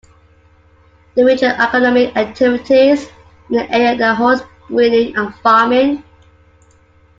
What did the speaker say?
The major economic activities in the area are horse breeding and farming.